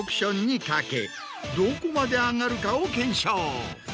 どこまで上がるかを検証。